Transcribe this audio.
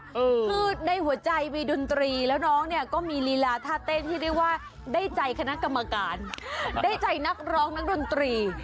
คือในหัวใจมีดนตรีแล้วน้องเนี่ยก็มีลีลาท่าเต้นที่เรียกว่าได้ใจคณะกรรมการได้ใจนักร้องนักดนตรี